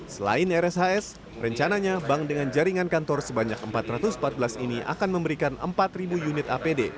selain rshs rencananya bank dengan jaringan kantor sebanyak empat ratus empat belas ini akan memberikan empat unit apd